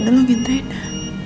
dengar nama rina